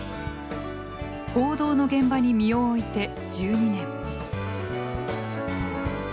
報道の現場に身を置いて１２年。